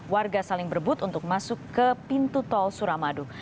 warga saling berebut untuk masuk ke pintu tol suramadu